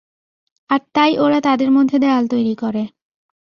আর তাই, ওরা তাদের মধ্যে দেয়াল তৈরি করে।